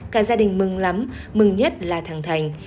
cả gia đình mừng lắm mừng nhất là thẳng thành